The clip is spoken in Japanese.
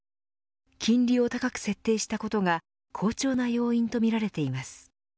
金利を高く設定したことが好調な要因とみられています。